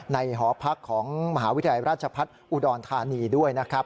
หอพักของมหาวิทยาลัยราชพัฒน์อุดรธานีด้วยนะครับ